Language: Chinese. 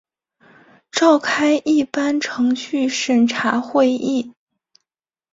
召开一般程序审查会议